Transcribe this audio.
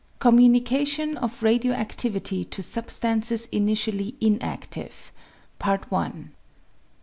Communication of Radio activity to Substances Initially Inactive.